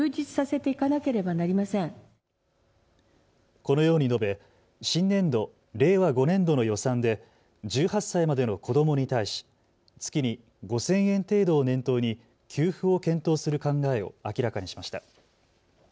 このように述べ、新年度令和５年度の予算で１８歳までの子どもに対し月に５０００円程度を念頭に給付を検討する考えを明らかにしました。